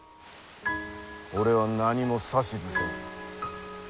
俺は何も指図せん。